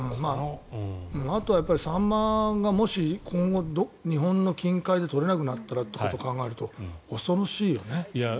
あとはサンマがもし今後日本の近海で取れなくなったらということを考えると恐ろしいよね。